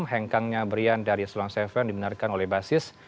hengkangnya brian dari selon tujuh dibenarkan oleh basis